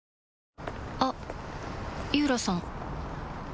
あっ井浦さん